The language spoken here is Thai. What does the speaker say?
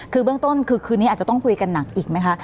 คือเบื้องต้นคือคืนนี้อาจจะต้องคุยกันหนักอีกไหมคะ